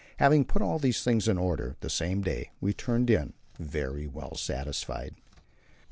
Having put all these things in order the same day, we turned in, very well satisfied.